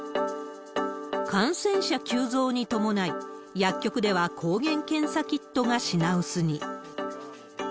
感染者急増に伴い、薬局では抗原検査キットが品薄に。